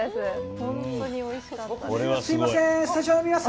本当においしかったです。